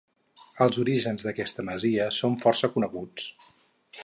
Els orígens d'aquesta masia són força coneguts.